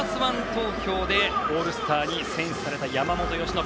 投票でオールスターに選出された山本由伸。